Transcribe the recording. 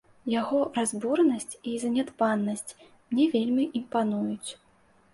Яго разбуранасць і занядбанасць мне вельмі імпануюць.